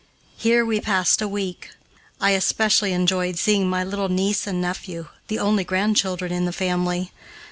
Here we passed a week. I especially enjoyed seeing my little niece and nephew, the only grandchildren in the family.